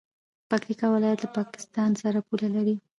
پکتیکا ولایت له پاکستان سره پوله لري.